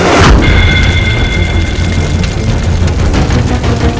tidak ada yang keluar lagi